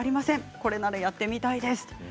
これならやってみたいです。